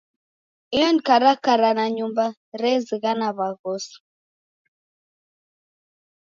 Iyo ni karakara na nyumba rezighana w'aghosi.